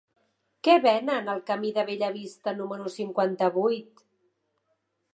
Què venen al camí de Bellavista número cinquanta-vuit?